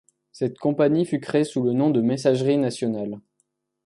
Cette compagnie fut créée sous le nom de Messageries nationales.